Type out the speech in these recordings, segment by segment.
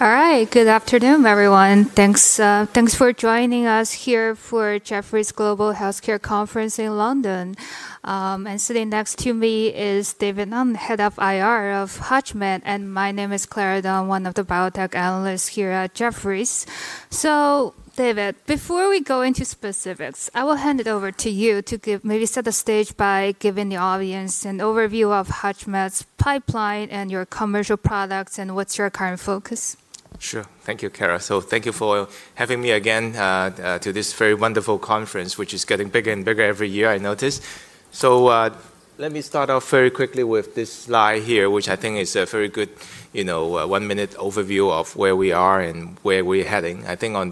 All right, good afternoon, everyone. Thanks for joining us here for Jefferies Global Healthcare Conference in London. Sitting next to me is David Ng, Head of IR of HUTCHMED, and my name is Clara Dong, one of the biotech analysts here at Jefferies. David, before we go into specifics, I will hand it over to you to maybe set the stage by giving the audience an overview of HUTCHMED's pipeline and your commercial products, and what's your current focus? Sure. Thank you, Clara. Thank you for having me again to this very wonderful conference, which is getting bigger and bigger every year, I notice. Let me start off very quickly with this slide here, which I think is a very good, you know, one-minute overview of where we are and where we're heading. I think on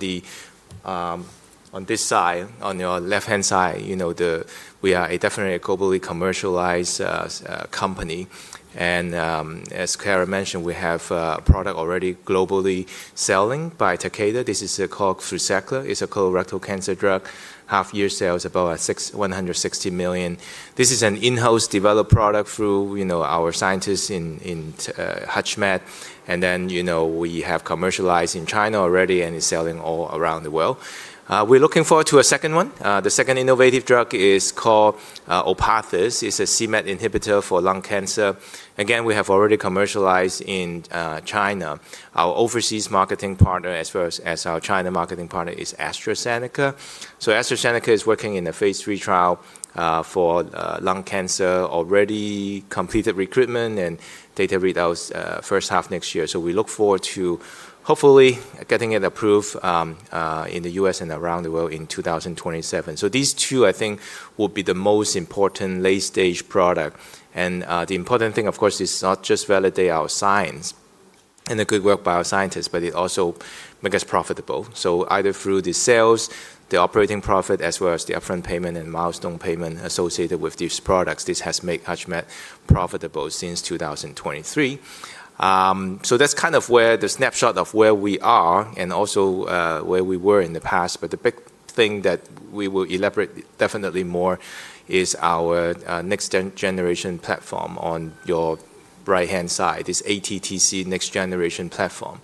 this side, on your left-hand side, you know, we are definitely a globally commercialized company. As Clara mentioned, we have a product already globally selling by Takeda. This is called FRUZAQLA. It's a colorectal cancer drug. Half-year sales, about $160 million. This is an in-house developed product through, you know, our scientists in HUTCHMED. And then, you know, we have commercialized in China already and is selling all around the world. We're looking forward to a second one. The second innovative drug is called ORPATHYS. It's a c-Met inhibitor for lung cancer. Again, we have already commercialized in China. Our overseas marketing partner, as well as our China marketing partner, is AstraZeneca. AstraZeneca is working in a phase three trial for lung cancer, already completed recruitment and data readout is first half next year. We look forward to hopefully getting it approved in the U.S. and around the world in 2027. These two, I think, will be the most important late-stage product. The important thing, of course, is not just validate our science and the good work by our scientists, but it also makes us profitable. Either through the sales, the operating profit, as well as the upfront payment and milestone payment associated with these products, this has made HUTCHMED profitable since 2023. That's kind of where the snapshot of where we are and also where we were in the past. The big thing that we will elaborate definitely more is our next-generation platform on your right-hand side, this ATTC next-generation platform.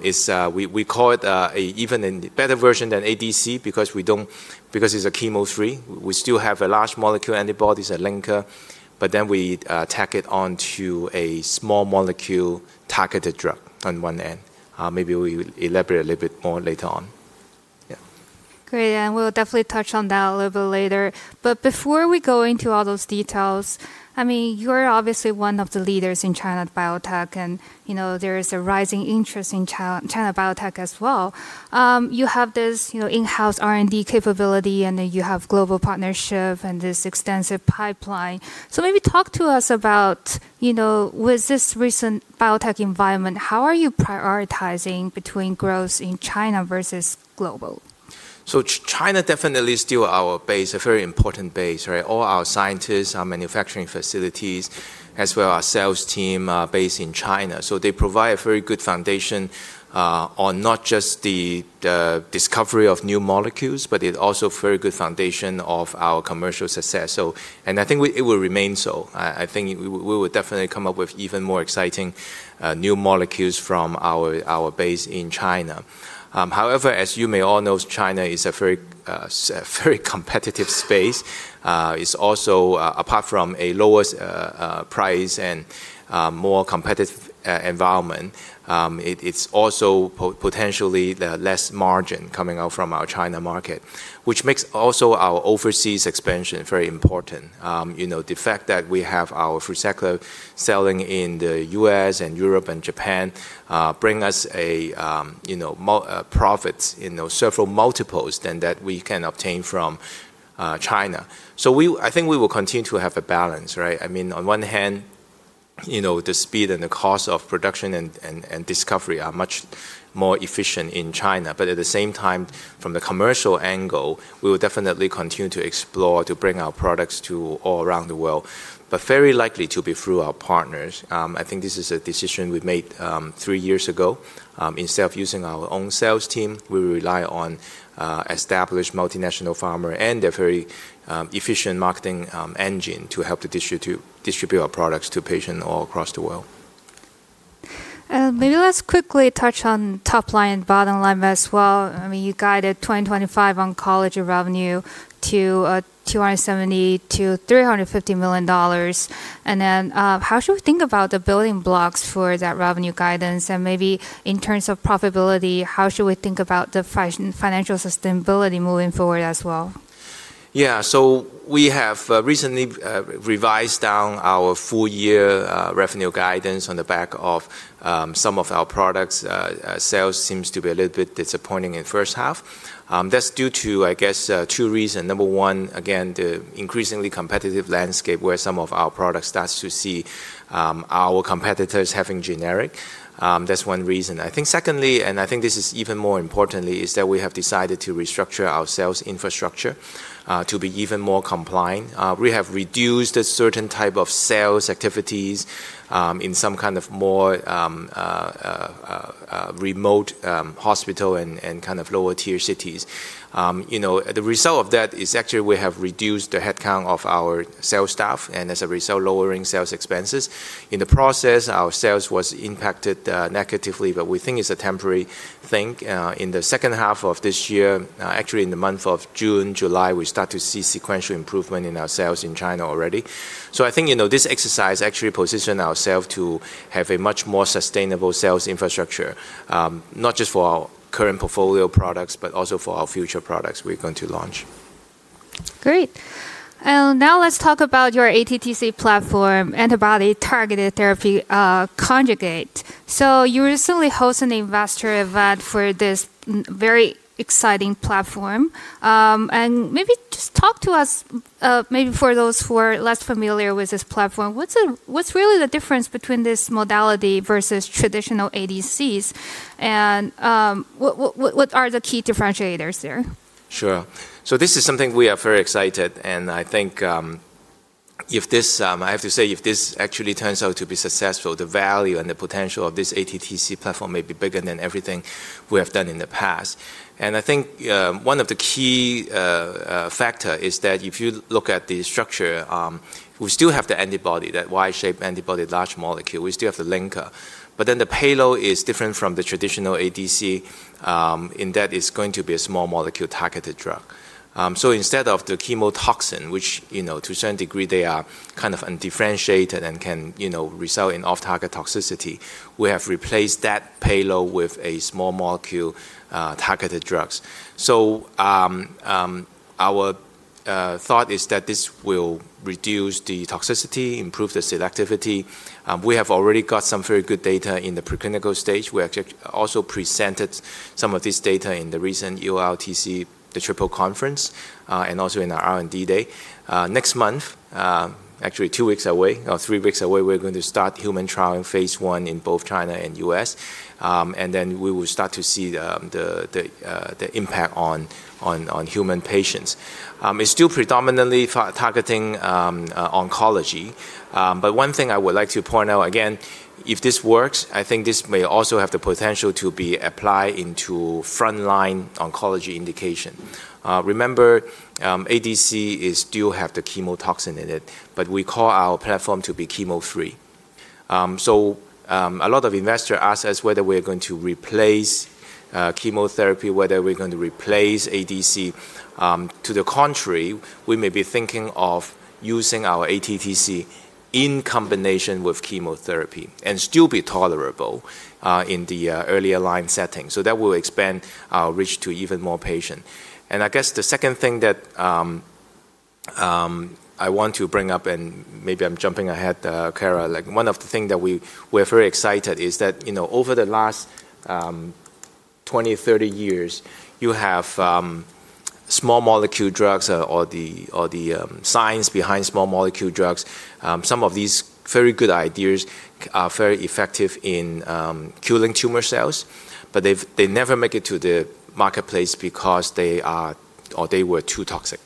We call it an even better version than ADC because it's chemo-free. We still have a large molecule antibody, a linker, but then we tack it onto a small molecule targeted drug on one end. Maybe we'll elaborate a little bit more later on. Great. We'll definitely touch on that a little bit later. Before we go into all those details, I mean, you're obviously one of the leaders in China biotech, and, you know, there is a rising interest in China biotech as well. You have this in-house R&D capability, and then you have global partnership and this extensive pipeline. Maybe talk to us about, you know, with this recent biotech environment, how are you prioritizing between growth in China versus global? China definitely is still our base, a very important base, right? All our scientists, our manufacturing facilities, as well as our sales team are based in China. They provide a very good foundation on not just the discovery of new molecules, but it's also a very good foundation of our commercial success. I think it will remain so. I think we will definitely come up with even more exciting new molecules from our base in China. However, as you may all know, China is a very competitive space. Apart from a lower price and more competitive environment, it's also potentially less margin coming out from our China market, which makes also our overseas expansion very important. You know, the fact that we have our FRUZAQLA selling in the US and Europe and Japan brings us a profit in several multiples than that we can obtain from China. I think we will continue to have a balance, right? I mean, on one hand, you know, the speed and the cost of production and discovery are much more efficient in China. At the same time, from the commercial angle, we will definitely continue to explore to bring our products to all around the world, but very likely to be through our partners. I think this is a decision we made three years ago. Instead of using our own sales team, we rely on established multinational pharma and a very efficient marketing engine to help to distribute our products to patients all across the world. Maybe let's quickly touch on top line and bottom line as well. I mean, you guided 2025 oncology revenue to $270 million-$350 million. How should we think about the building blocks for that revenue guidance? Maybe in terms of profitability, how should we think about the financial sustainability moving forward as well? Yeah, so we have recently revised down our full-year revenue guidance on the back of some of our products. Sales seems to be a little bit disappointing in the first half. That's due to, I guess, two reasons. Number one, again, the increasingly competitive landscape where some of our products start to see our competitors having generic. That's one reason. I think secondly, and I think this is even more importantly, is that we have decided to restructure our sales infrastructure to be even more compliant. We have reduced a certain type of sales activities in some kind of more remote hospital and kind of lower-tier cities. You know, the result of that is actually we have reduced the headcount of our sales staff and, as a result, lowering sales expenses. In the process, our sales was impacted negatively, but we think it's a temporary thing. In the second half of this year, actually in the month of June, July, we start to see sequential improvement in our sales in China already. I think, you know, this exercise actually positions ourselves to have a much more sustainable sales infrastructure, not just for our current portfolio products, but also for our future products we're going to launch. Great. Now let's talk about your ATTC platform, antibody targeted therapy conjugate. You recently hosted an investor event for this very exciting platform. Maybe just talk to us, maybe for those who are less familiar with this platform, what's really the difference between this modality versus traditional ADCs? What are the key differentiators there? Sure. This is something we are very excited about. I think if this, I have to say, if this actually turns out to be successful, the value and the potential of this ATTC platform may be bigger than everything we have done in the past. I think one of the key factors is that if you look at the structure, we still have the antibody, that Y-shaped antibody, large molecule. We still have the linker. The payload is different from the traditional ADC in that it is going to be a small molecule targeted drug. Instead of the chemotoxin, which, you know, to a certain degree, they are kind of undifferentiated and can result in off-target toxicity, we have replaced that payload with a small molecule targeted drug. Our thought is that this will reduce the toxicity and improve the selectivity. We have already got some very good data in the preclinical stage. We actually also presented some of this data in the recent ULTC, the triple conference, and also in our R&D day. Next month, actually two weeks away, or three weeks away, we're going to start human trial in phase one in both China and U.S. We will start to see the impact on human patients. It's still predominantly targeting oncology. One thing I would like to point out, again, if this works, I think this may also have the potential to be applied into frontline oncology indication. Remember, ADC still has the chemotoxin in it, but we call our platform to be chemo-free. A lot of investors ask us whether we're going to replace chemotherapy, whether we're going to replace ADC. To the contrary, we may be thinking of using our ATTC in combination with chemotherapy and still be tolerable in the earlier line setting. That will expand our reach to even more patients. I guess the second thing that I want to bring up, and maybe I'm jumping ahead, Clara, like one of the things that we're very excited is that, you know, over the last 20-30 years, you have small molecule drugs or the science behind small molecule drugs. Some of these very good ideas are very effective in curing tumor cells, but they never make it to the marketplace because they are or they were too toxic,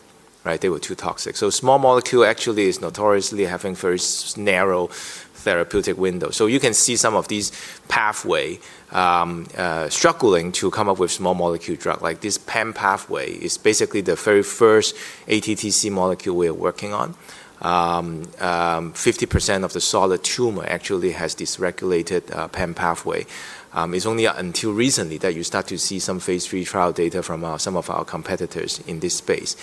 right? They were too toxic. Small molecule actually is notoriously having very narrow therapeutic windows. You can see some of these pathways struggling to come up with small molecule drug. Like this PI3K pathway is basically the very first ATTC molecule we are working on. 50% of the solid tumor actually has this regulated PI3K pathway. It's only until recently that you start to see some phase three trial data from some of our competitors in this space.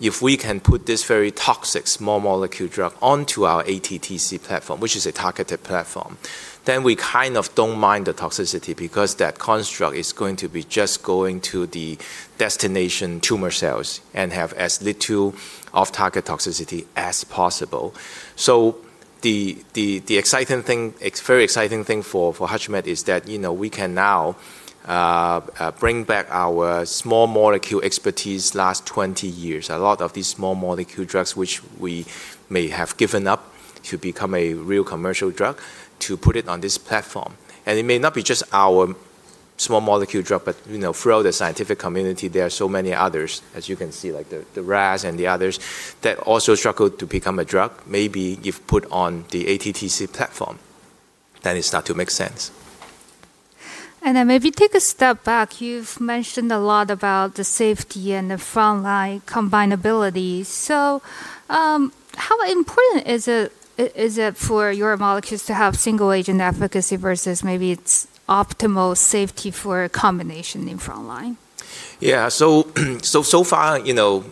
If we can put this very toxic small molecule drug onto our ATTC platform, which is a targeted platform, then we kind of don't mind the toxicity because that construct is going to be just going to the destination tumor cells and have as little off-target toxicity as possible. The exciting thing, very exciting thing for HUTCHMED is that, you know, we can now bring back our small molecule expertise last 20 years. A lot of these small molecule drugs, which we may have given up to become a real commercial drug, to put it on this platform. It may not be just our small molecule drug, but, you know, throughout the scientific community, there are so many others, as you can see, like the RAS and the others that also struggle to become a drug. Maybe if put on the ATTC platform, then it starts to make sense. Maybe take a step back. You've mentioned a lot about the safety and the frontline combinability. How important is it for your molecules to have single-agent efficacy versus maybe it's optimal safety for a combination in frontline? Yeah, so far, you know,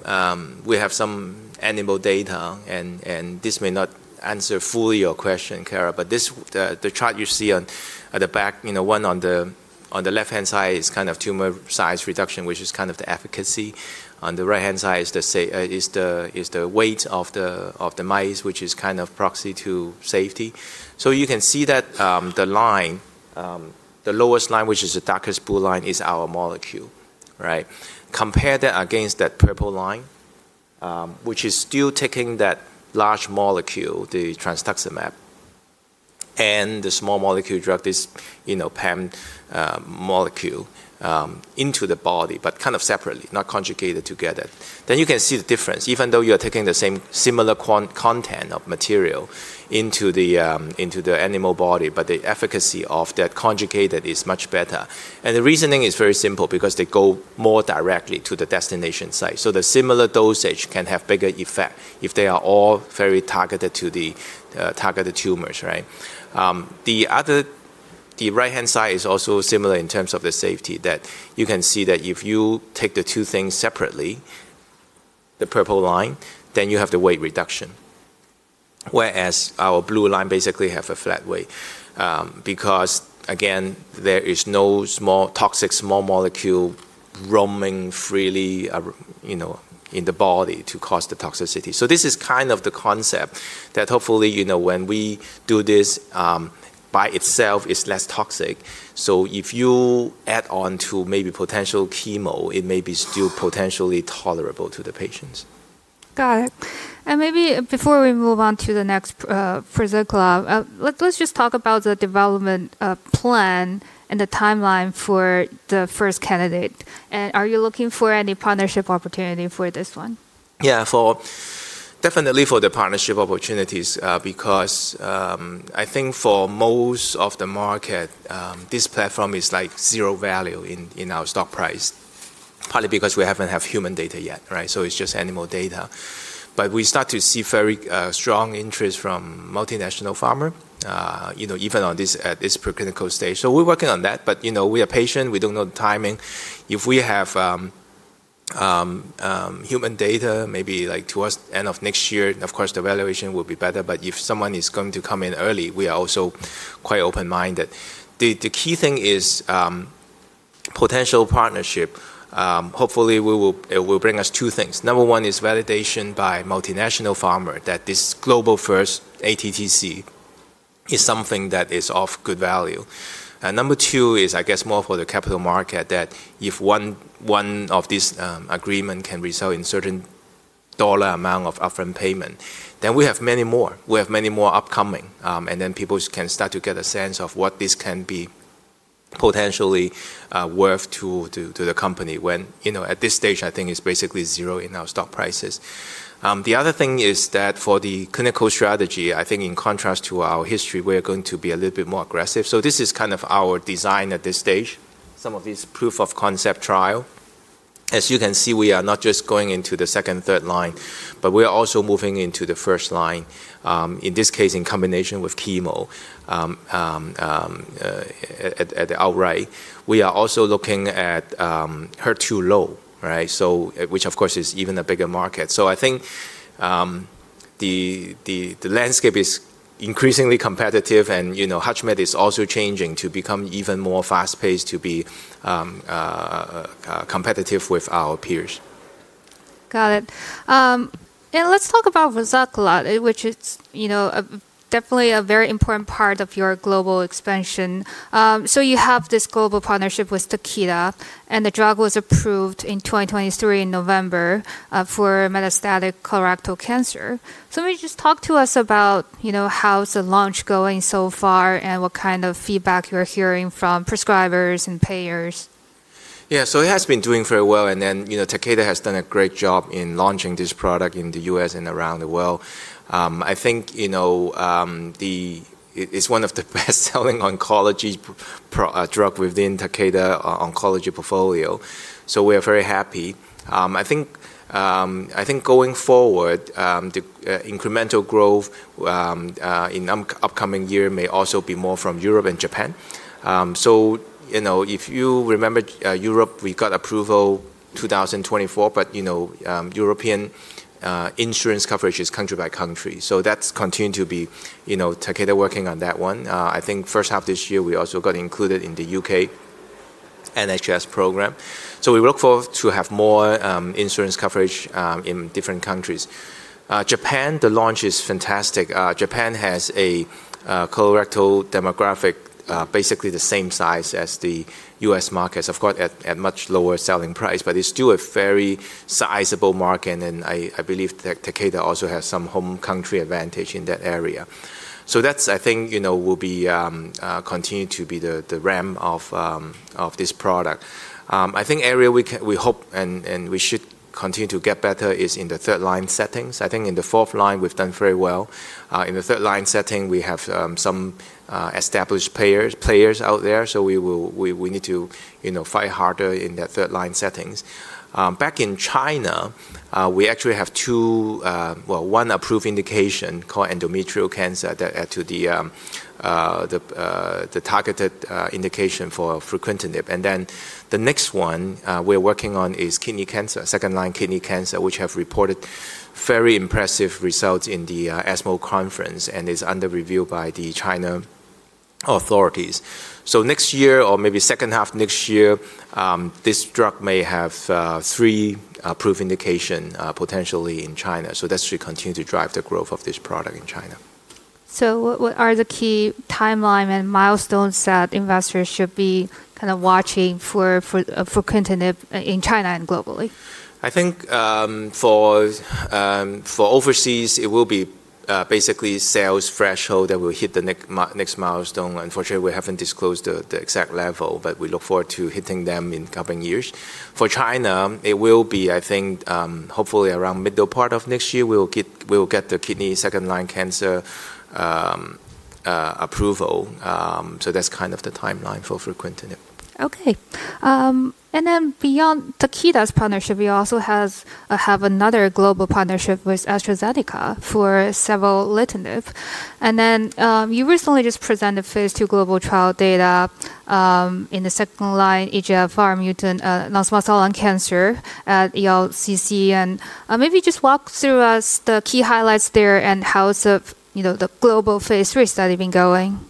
we have some animal data, and this may not answer fully your question, Clara, but the chart you see at the back, you know, one on the left-hand side is kind of tumor size reduction, which is kind of the efficacy. On the right-hand side is the weight of the mice, which is kind of proxy to safety. You can see that the line, the lowest line, which is the darkest blue line, is our molecule, right? Compare that against that purple line, which is still taking that large molecule, the transductamab, and the small molecule drug, this, you know, PEM molecule into the body, but kind of separately, not conjugated together. You can see the difference. Even though you're taking the same similar content of material into the animal body, but the efficacy of that conjugated is much better. The reasoning is very simple because they go more directly to the destination site. The similar dosage can have a bigger effect if they are all very targeted to the targeted tumors, right? The right-hand side is also similar in terms of the safety that you can see that if you take the two things separately, the purple line, then you have the weight reduction, whereas our blue line basically has a flat weight because, again, there is no small toxic small molecule roaming freely, you know, in the body to cause the toxicity. This is kind of the concept that hopefully, you know, when we do this by itself, it is less toxic. If you add on to maybe potential chemo, it may be still potentially tolerable to the patients. Got it. Maybe before we move on to the next for Zhengguo, let's just talk about the development plan and the timeline for the first candidate. Are you looking for any partnership opportunity for this one? Yeah, definitely for the partnership opportunities because I think for most of the market, this platform is like zero value in our stock price, partly because we have not had human data yet, right? So it is just animal data. But we start to see very strong interest from multinational pharma, you know, even at this preclinical stage. We are working on that, but, you know, we are patient. We do not know the timing. If we have human data, maybe like towards the end of next year, of course, the evaluation will be better. If someone is going to come in early, we are also quite open-minded. The key thing is potential partnership. Hopefully, it will bring us two things. Number one is validation by multinational pharma that this global-first ATTC is something that is of good value. Number two is, I guess, more for the capital market that if one of these agreements can result in a certain dollar amount of upfront payment, then we have many more. We have many more upcoming. Then people can start to get a sense of what this can be potentially worth to the company when, you know, at this stage, I think it's basically zero in our stock prices. The other thing is that for the clinical strategy, I think in contrast to our history, we are going to be a little bit more aggressive. This is kind of our design at this stage, some of these proof of concept trial. As you can see, we are not just going into the second, third line, but we are also moving into the first line, in this case, in combination with chemo at the outright. We are also looking at HER2-low, right? Which, of course, is even a bigger market. I think the landscape is increasingly competitive and, you know, HUTCHMED is also changing to become even more fast-paced to be competitive with our peers. Got it. Let's talk about Fruquintinib, which is, you know, definitely a very important part of your global expansion. You have this global partnership with Takeda, and the drug was approved in 2023 in November for metastatic colorectal cancer. Maybe just talk to us about, you know, how's the launch going so far and what kind of feedback you're hearing from prescribers and payers. Yeah, so it has been doing very well. And then, you know, Takeda has done a great job in launching this product in the U.S. and around the world. I think, you know, it's one of the best-selling oncology drugs within Takeda oncology portfolio. So we are very happy. I think going forward, the incremental growth in the upcoming year may also be more from Europe and Japan. You know, if you remember Europe, we got approval 2024, but, you know, European insurance coverage is country by country. That's continuing to be, you know, Takeda working on that one. I think first half this year, we also got included in the U.K. NHS program. We look forward to having more insurance coverage in different countries. Japan, the launch is fantastic. Japan has a colorectal demographic basically the same size as the U.S. markets, of course, at a much lower selling price, but it's still a very sizable market. I believe Takeda also has some home country advantage in that area. That, I think, you know, will be continuing to be the realm of this product. I think the area we hope and we should continue to get better is in the third line settings. I think in the fourth line, we've done very well. In the third line setting, we have some established players out there. We need to, you know, fight harder in that third line settings. Back in China, we actually have two, well, one approved indication called endometrial cancer to the targeted indication for fruquintinib. The next one we're working on is kidney cancer, second-line kidney cancer, which has reported very impressive results in the ESMO conference and is under review by the China authorities. Next year, or maybe second half next year, this drug may have three approved indications potentially in China. That should continue to drive the growth of this product in China. What are the key timeline and milestones that investors should be kind of watching for fruquintinib in China and globally? I think for overseas, it will be basically sales threshold that will hit the next milestone. Unfortunately, we haven't disclosed the exact level, but we look forward to hitting them in coming years. For China, it will be, I think, hopefully around the middle part of next year, we will get the kidney second-line cancer approval. So that's kind of the timeline for fruquintinib. Okay. And then beyond Takeda's partnership, you also have another global partnership with AstraZeneca for several latent NIP. You recently just presented phase two global trial data in the second line EGFR mutant non-small cell lung cancer at ELCC. Maybe just walk through us the key highlights there and how the global phase three study has been going.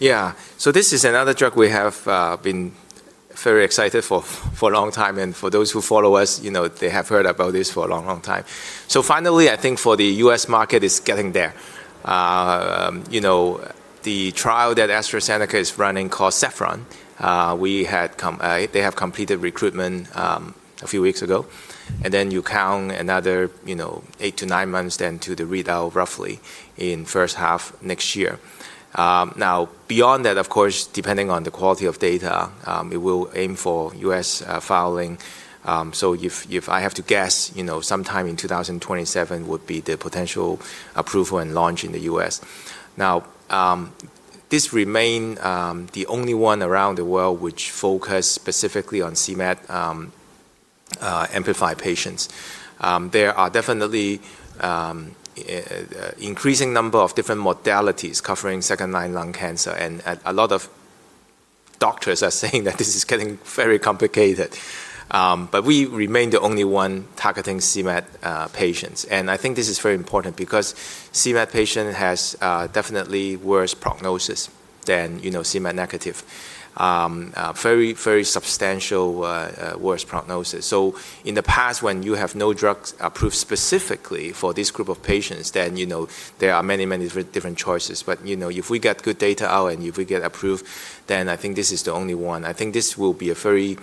Yeah, so this is another drug we have been very excited for a long time. And for those who follow us, you know, they have heard about this for a long, long time. So finally, I think for the U.S. market, it's getting there. You know, the trial that AstraZeneca is running called SEPHRON, they have completed recruitment a few weeks ago. And then you count another, you know, eight to nine months then to the readout roughly in the first half next year. Now, beyond that, of course, depending on the quality of data, it will aim for U.S. filing. So if I have to guess, you know, sometime in 2027 would be the potential approval and launch in the U.S. Now, this remains the only one around the world which focuses specifically on c-Met-amplified patients. There are definitely an increasing number of different modalities covering second-line lung cancer. A lot of doctors are saying that this is getting very complicated. We remain the only one targeting c-Met patients. I think this is very important because c-Met patients have definitely worse prognosis than, you know, c-Met-negative, very, very substantial worse prognosis. In the past, when you have no drug approved specifically for this group of patients, then, you know, there are many, many different choices. If we get good data out and if we get approved, I think this is the only one. I think this will be a very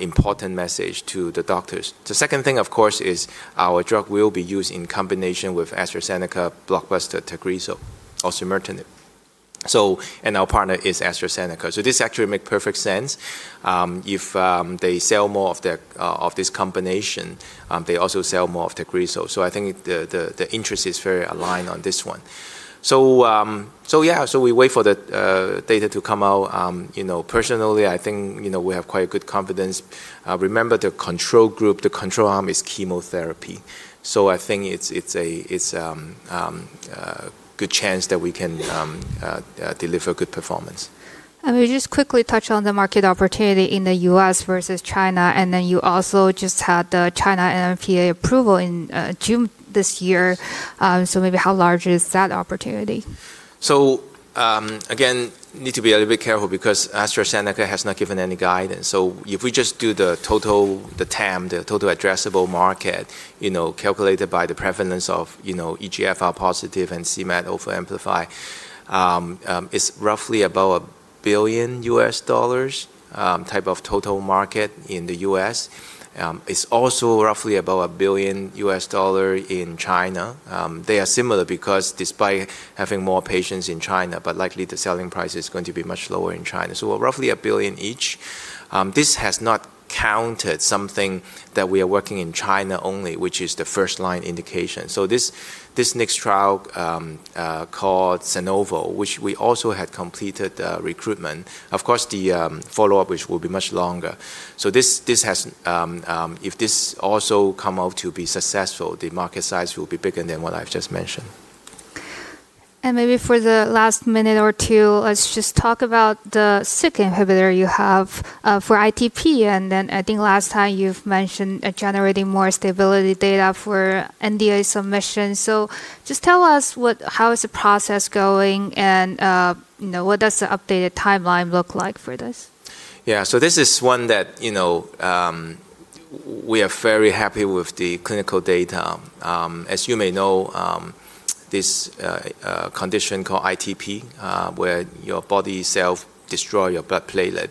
important message to the doctors. The second thing, of course, is our drug will be used in combination with AstraZeneca blockbuster Tagrisso or savolitinib. Our partner is AstraZeneca. This actually makes perfect sense. If they sell more of this combination, they also sell more of Tagrisso. I think the interest is very aligned on this one. Yeah, we wait for the data to come out. You know, personally, I think, you know, we have quite a good confidence. Remember the control group, the control arm is chemotherapy. I think it's a good chance that we can deliver good performance. We just quickly touched on the market opportunity in the U.S. versus China. You also just had the China NMPA approval in June this year. Maybe how large is that opportunity? Again, need to be a little bit careful because AstraZeneca has not given any guidance. If we just do the total, the TAM, the total addressable market, you know, calculated by the prevalence of, you know, EGFR positive and c-Met over-amplified, it is roughly about $1 billion type of total market in the U.S. It is also roughly about $1 billion in China. They are similar because despite having more patients in China, but likely the selling price is going to be much lower in China. So roughly $1 billion each. This has not counted something that we are working in China only, which is the first line indication. This next trial called Zhenping, which we also had completed recruitment, of course, the follow-up, which will be much longer. If this also comes out to be successful, the market size will be bigger than what I've just mentioned. Maybe for the last minute or two, let's just talk about the SYK inhibitor you have for ITP. I think last time you mentioned generating more stability data for NDA submission. Just tell us how is the process going and, you know, what does the updated timeline look like for this? Yeah, so this is one that, you know, we are very happy with the clinical data. As you may know, this condition called ITP, where your body cells destroy your blood platelets,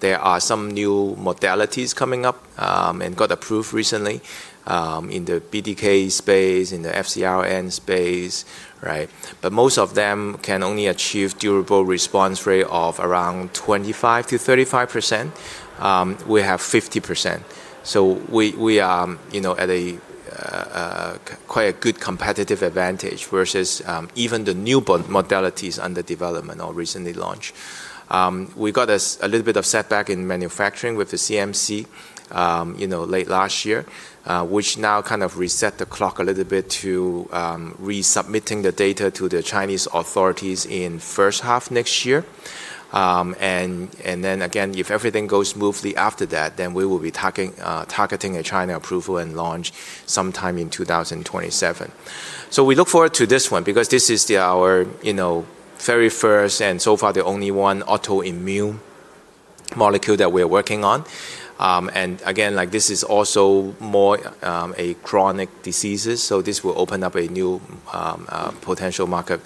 there are some new modalities coming up and got approved recently in the BDK space, in the FCRN space, right? But most of them can only achieve a durable response rate of around 25-35%. We have 50%. So we are, you know, at quite a good competitive advantage versus even the new modalities under development or recently launched. We got a little bit of setback in manufacturing with the CMC, you know, late last year, which now kind of reset the clock a little bit to resubmitting the data to the Chinese authorities in the first half next year. If everything goes smoothly after that, then we will be targeting a China approval and launch sometime in 2027. We look forward to this one because this is our, you know, very first and so far the only one autoimmune molecule that we are working on. Again, like this is also more a chronic disease. This will open up a new potential market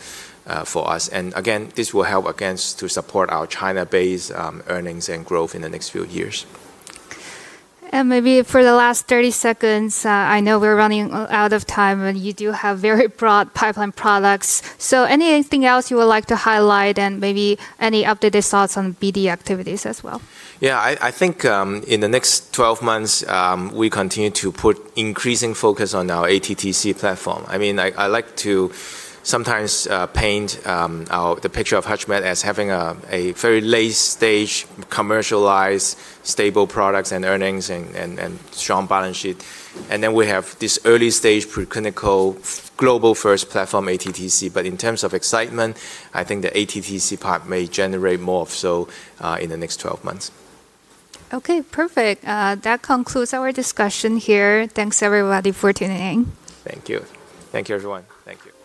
for us. Again, this will help to support our China-based earnings and growth in the next few years. Maybe for the last 30 seconds, I know we're running out of time, but you do have very broad pipeline products. Is there anything else you would like to highlight and maybe any updated thoughts on BD activities as well? Yeah, I think in the next 12 months, we continue to put increasing focus on our ATTC platform. I mean, I like to sometimes paint the picture of HUTCHMED as having a very late-stage commercialized stable products and earnings and strong balance sheet. And then we have this early-stage preclinical global-first platform ATTC. In terms of excitement, I think the ATTC part may generate more so in the next 12 months. Okay, perfect. That concludes our discussion here. Thanks, everybody, for tuning in. Thank you. Thank you, everyone. Thank you.